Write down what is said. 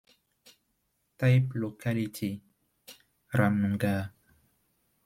Type locality: "Ramnuggar".